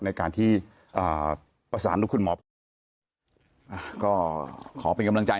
ในการที่ประสานทุกคุณหมอพร้อมก็ขอเป็นกำลังใจ